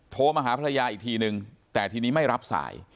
โทรมาหาภรรยาอีกทีนึงแต่ทีนี้ไม่รับสาย